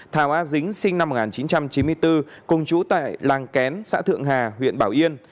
thảo a dính sinh năm một nghìn chín trăm chín mươi bốn cùng chú tại làng kén xã thượng hà huyện bảo yên